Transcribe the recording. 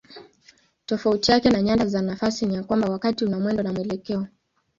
Tofauti yake na nyanda za nafasi ni ya kwamba wakati una mwendo na mwelekeo.